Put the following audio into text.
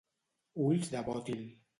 Ulls de bòtil.